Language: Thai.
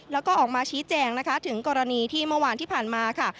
แล้วก็ออกมาชี้แจงนะคะถึงกรณีที่เมื่อวานที่ผ่านมาค่ะ